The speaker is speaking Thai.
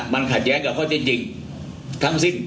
ทั้งสิ้น